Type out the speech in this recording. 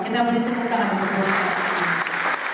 kita beri tepuk tangan kepada bursa indonesia